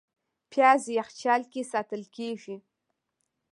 پیاز یخچال کې ساتل کېږي